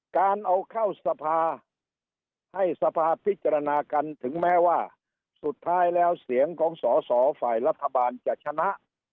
การเอาเข้าสภาให้สภาพิจารณากันถึงแม้ว่าสุดท้ายแล้วเสียงของสอสอฝ่ายรัฐบาลจะชนะ